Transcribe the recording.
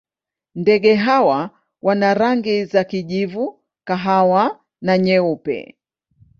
Ndege hawa wana rangi za kijivu, kahawa na nyeupe.